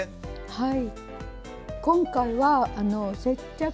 はい。